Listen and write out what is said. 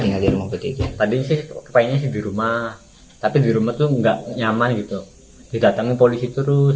hai tadi sih kepingin dirumah tapi dirumah tuh nggak nyaman gitu didatangi polisi terus